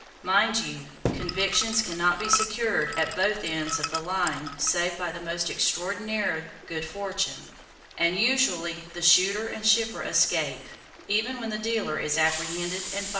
Mind you, convictions can not be secured at both ends of the line save by the most extraordinary good fortune, and usually the shooter and shipper escape, even when the dealer is apprehended and fined.